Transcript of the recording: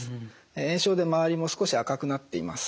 炎症で周りも少し赤くなっています。